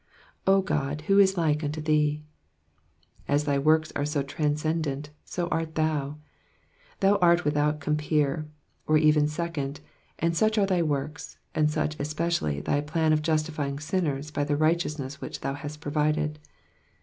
*'0 God, who is like unto thee.^^ As thy works are so transcendent, so art thou. Thou art without com peer, or even second, and such are thy works, and such, especially, thy plan of justifying sinners by the righteousness which thou hast provided.